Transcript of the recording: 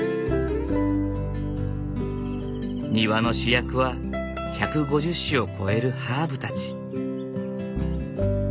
庭の主役は１５０種を超えるハーブたち。